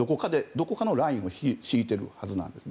どこかのラインを引いているはずなんです。